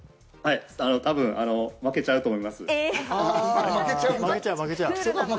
多分負けちゃうと思います。